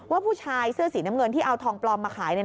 ผู้ชายเสื้อสีน้ำเงินที่เอาทองปลอมมาขาย